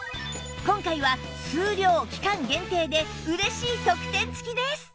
今回は数量・期間限定でうれしい特典付きです！